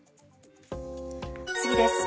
次です。